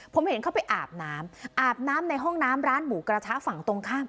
ผมเห็นเขาไปอาบน้ำอาบน้ำในห้องน้ำร้านหมูกระทะฝั่งตรงข้าม